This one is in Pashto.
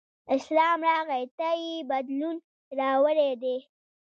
اسلام راغی ته یې بدلون راوړی دی.